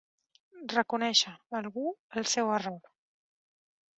Reconèixer, algú, el seu error.